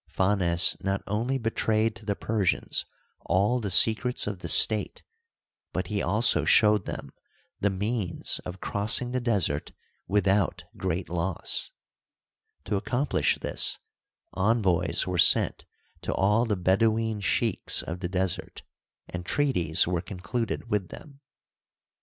Phanes not only betrayed to the Persians all the secrets of the state, but he also showed them the means of crossing the desert without great loss. To accomplish this, envoys d by Google THE EGYPTIAN RENAISSANCE, 135 were sent to all the Bedouin sheiks of the desert, and trea ties were concluded with them.